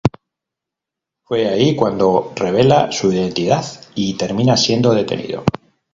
Fue ahí cuando revela su identidad y termina siendo detenido.